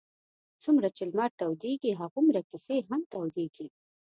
څومره چې لمر تودېږي هغومره کیسې هم تودېږي.